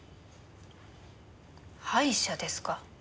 歯医者ですか？